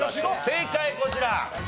正解こちら。